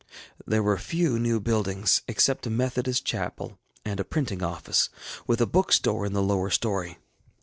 There were few new buildings, except a Methodist chapel and a printing office, with a bookstore in the lower story.